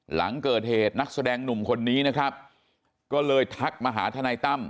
หลังเกิดเหตุนักแสดงหนุ่มคนนี้นะครับก็เลยทักมาหาทนายตั้ม